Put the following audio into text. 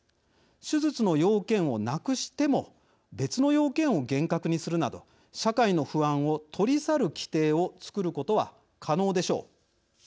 手術の要件をなくしても別の要件を厳格にするなど社会の不安を取り去る規定を作ることは可能でしょう。